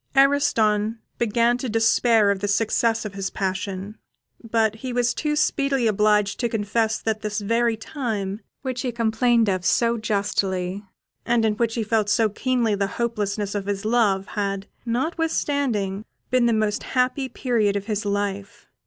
Ariston began to despair of the success of his passion, but he was too speedily obliged to confess that this very time, which he complained of so justly, and in which he felt so keenly the hopelessness of his love, had, notwithstanding, been the most happy period of his life.